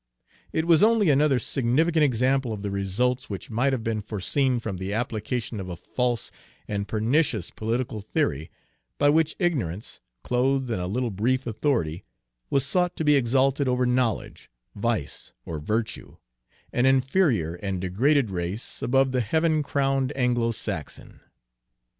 It was only another significant example of the results which might have been foreseen from the application of a false and pernicious political theory, by which ignorance, clothed in a little brief authority, was sought to be exalted over knowledge, vice over virtue, an inferior and degraded race above the heaven crowned Anglo Saxon.